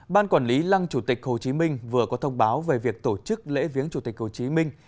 ban quản lý lăng chủ tịch hồ chí minh vừa có thông báo về việc tổ chức lễ viếng chủ tịch hồ chí minh